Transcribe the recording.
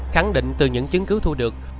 khẳng định từ những chứng cứ thu được